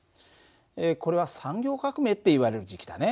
これは産業革命っていわれる時期だね。